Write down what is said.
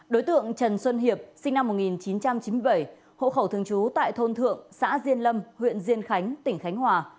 đối tượng trần xuân hiệp sinh năm một nghìn chín trăm chín mươi bảy hộ khẩu thường trú tại thôn thượng xã diên lâm huyện diên khánh tỉnh khánh hòa